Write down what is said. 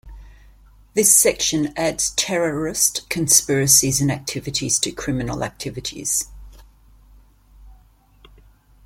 The section adds "terrorist conspiracies and activities" to "criminal activities.